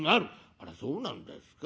「あらそうなんですか。